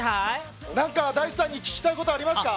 Ｄａ−ｉＣＥさんに聞きたいことありますか？